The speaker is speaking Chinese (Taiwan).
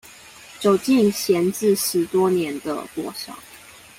走進閒置十多年的國小